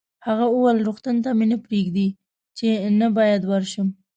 هغه وویل: روغتون ته مې نه پرېږدي، چې نه باید ورشم.